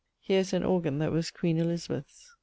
Here is an organ that was queen Elizabeth's.